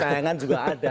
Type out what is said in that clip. tayangan juga ada